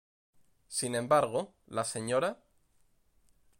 Sin embargo, la Sra.